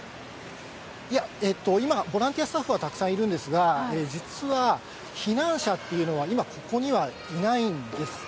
いや、今、ボランティアスタッフはたくさんいるんですが、実は避難者っていうのは、今、ここにはいないんです。